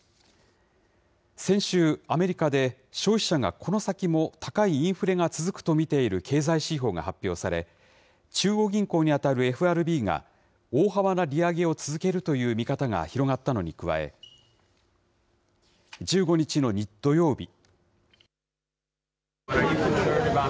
先週、アメリカで消費者が、この先も高いインフレが続くと見ている経済指標が発表され、中央銀行に当たるＦＲＢが、大幅な利上げを続けるという見方が広がったのに加え、１５日の土曜日。